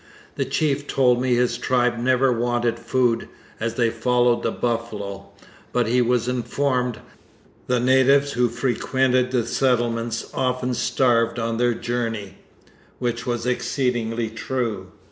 The chief told me his tribe never wanted food, as they followed the buffalo, but he was informed the natives who frequented the settlements often starved on their journey, which was exceedingly true.